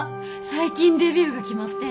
最近デビューが決まって。